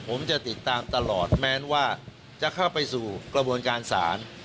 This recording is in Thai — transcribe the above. ผมจะติดตามตลอดแม้ว่าจะเข้าไปสู่กระบวนการศาล